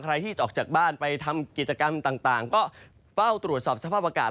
ใครที่จะออกจากบ้านไปทำกิจกรรมต่างก็เฝ้าตรวจสอบสภาพอากาศ